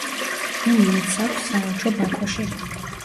რუმინეთს აქვს საელჩო ბაქოში.